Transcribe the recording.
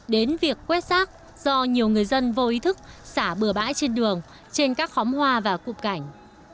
đến việc quét rác do nhiều người dân vô ý thức xả bừa bãi trên đường trên các khóm hoa và cục cảnh